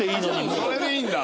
それでいいんだ。